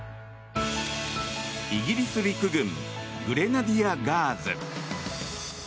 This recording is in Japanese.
イギリス陸軍グレナディア・ガーズ。